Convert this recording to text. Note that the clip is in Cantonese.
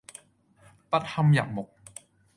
不堪入目